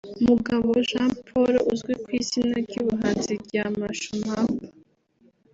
Mugabo Jean Paul uzwi ku izina ry’ubuhanzi rya Masho Mampa